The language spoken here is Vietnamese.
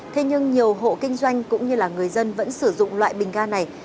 thế nhưng nhiều hộ kinh doanh cũng như là người dân vẫn sử dụng loại bình ga này